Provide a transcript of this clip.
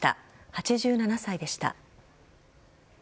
８７歳でした。